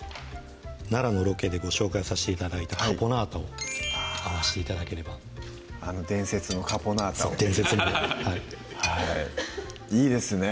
奈良のロケでご紹介させて頂いたカポナータを合わして頂ければあの伝説のカポナータをそう伝説のいいですね